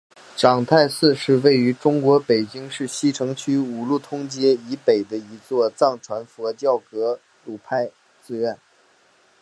长泰寺是位于中国北京市西城区五路通街以北的一座藏传佛教格鲁派寺院。